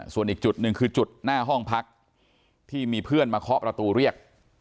ส่วนอีกจุดหนึ่งคือจุดหน้าห้องพักที่มีเพื่อนมาเคาะประตูเรียก